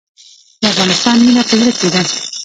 د افغانستان مینه په زړه کې ده